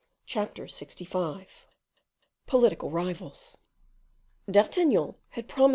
Chapter LXV. Political Rivals. D'Artagnan had promised M.